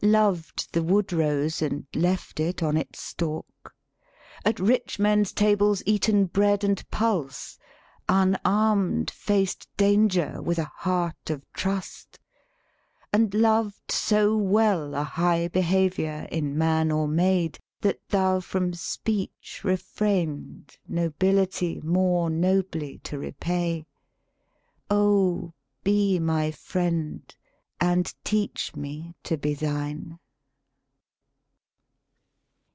Loved the wood rose, and left it on its stalk? At rich men's tables eaten bread and pulse? Unarmed, faced danger with a heart of trust? And loved so well a high behavior, In man or maid, that thou from speech re frained, Nobility more nobly to repay? O, be my friend, and teach me to be thine!"